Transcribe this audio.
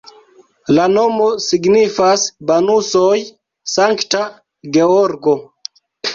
La nomo signifas Banusoj-Sankta Georgo.